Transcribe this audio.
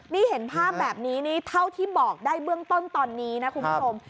นี่เห็นภาพแบบนี้นี่เท่าที่บอกได้เบื้องต้นตอนนี้นะคุณผู้ชม